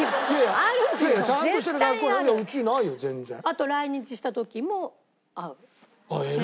あと来日した時も会う先生に。